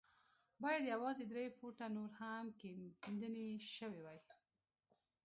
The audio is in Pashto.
بايد يوازې درې فوټه نور هم کيندنې شوې وای.